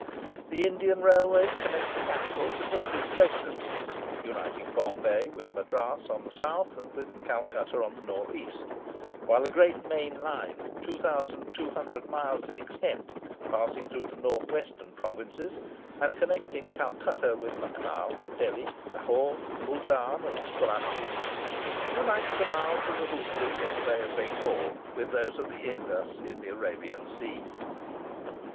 The Indian railways connect the capitals of the three Presidencies—uniting Bombay with Madras on the south, and with Calcutta on the north east—while a great main line, 2200 miles in extent, passing through the north western provinces, and connecting Calcutta with Lucknow, Delhi, Lahore, Moultan, and Kurrachee, unites the mouths of the Hooghly in the Bay of Bengal with those of the Indus in the Arabian Sea.